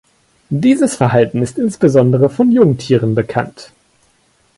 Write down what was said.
Dieses Verhalten ist insbesondere von Jungtieren bekannt.